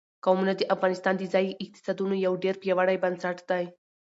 قومونه د افغانستان د ځایي اقتصادونو یو ډېر پیاوړی بنسټ دی.